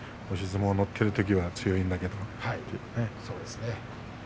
押し相撲は乗っているときは強いんだけどってね。